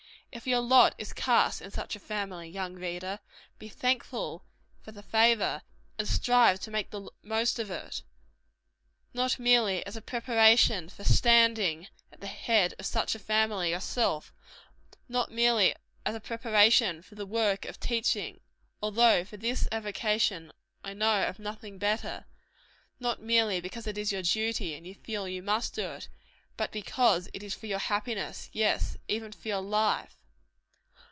If your lot is cast in such a family, young reader, be thankful for the favor, and strive to make the most of it. Not merely as a preparation for standing at the head of such a family yourself; not merely as a preparation for the work of teaching although for this avocation I know of nothing better; not merely because it is your duty, and you feel that you must do it; but because it is for your happiness yes, even for your life.